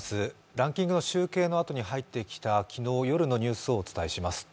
ランキングの集計のあと入ってきた昨日夜のニュースをお伝えします。